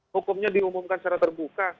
hukumnya diumumkan secara terbuka